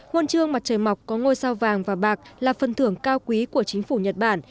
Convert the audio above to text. hôn trương mặt trời mọc có ngôi sao vàng và bạc là phân thưởng cao quý của chính phủ nhật bản